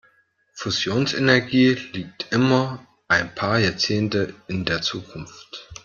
Fusionsenergie liegt immer ein paar Jahrzehnte in der Zukunft.